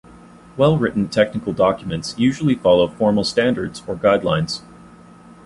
Well-written technical documents usually follow formal standards or guidelines.